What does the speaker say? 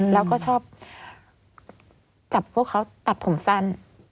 แล้วก็ชอบจับพวกเขาตัดผมสั้น